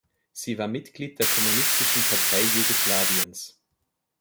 Sie war Mitglied der Kommunistischen Partei Jugoslawiens.